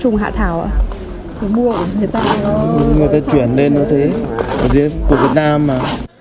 người ta chuyển lên nó thế của việt nam mà